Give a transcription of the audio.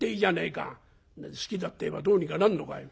「好きだって言えばどうにかなんのかよ？